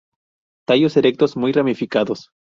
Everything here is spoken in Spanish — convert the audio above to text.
Tallos erectos, muy ramificados.